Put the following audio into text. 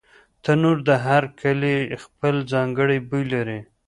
تنور د هر کلي خپل ځانګړی بوی لري